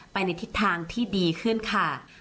ในทิศทางที่ดีขึ้นค่ะ